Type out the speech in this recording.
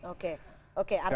oke artinya ada semua skenario